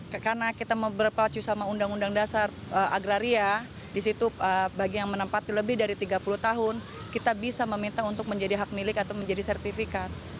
karena kita berpacu sama undang undang dasar agraria disitu bagi yang menempati lebih dari tiga puluh tahun kita bisa meminta untuk menjadi hak milik atau menjadi sertifikat